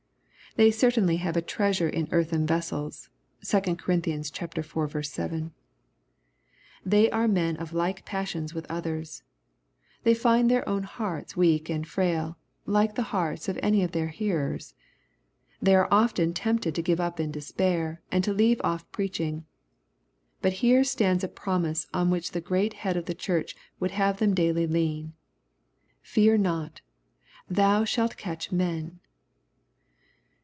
They certainly have a treasure in earthen vessels. (2 Cor. iv. 7.) They are men of like passions with others. They find their own hearts weak and frail, like the hearts of any of their hearers. They are often tempted to give up in despair, and to leave off preach ing. But here stands a promise, on which the great Head of the Church would have them daily lean :Fear not, thou shalt catch men."